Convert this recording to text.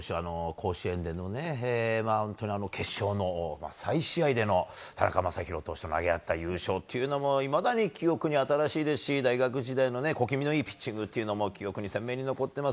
甲子園での決勝の再試合での田中将大投手と投げ合って優勝というのもいまだに記憶に新しいですし大学時代のピッチングも記憶に鮮明に残っています。